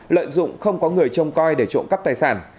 lợi dụng không có người trông coi để trộm cắp tài sản